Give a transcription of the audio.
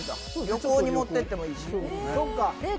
旅行に持って行ってもいいし。